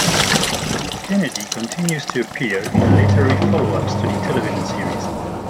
Kennedy continues to appear in literary follow-ups to the television series.